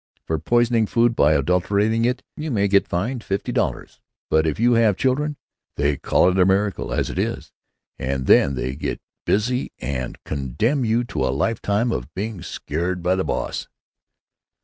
For poisoning food by adulterating it you may get fined fifty dollars, but if you have children they call it a miracle—as it is—and then they get busy and condemn you to a lifetime of being scared by the boss."